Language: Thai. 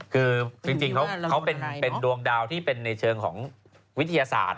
คือจริงเขาเป็นดวงดาวที่เป็นในเชิงของวิทยาศาสตร์